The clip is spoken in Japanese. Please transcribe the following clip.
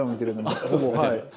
はい。